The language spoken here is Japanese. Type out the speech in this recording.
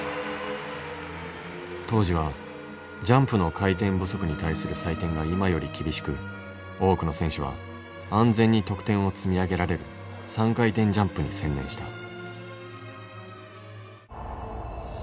当時はジャンプの回転不足に対する採点が今より厳しく多くの選手は安全に得点を積み上げられる３回転ジャンプに専念した。